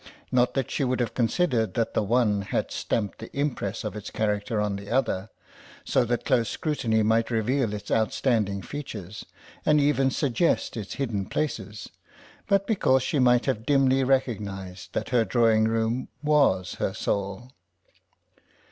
Not that she would have considered that the one had stamped the impress of its character on the other, so that close scrutiny might reveal its outstanding features, and even suggest its hidden places, but because she might have dimly recognised that her drawing room was her soul.